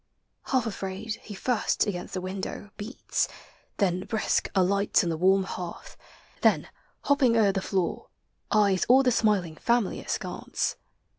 Half afraid, he firsl Against the window beats; then, brisk, alights On the warm hearth; then, hopping o'er the floor, Eyes all the smiling family askance.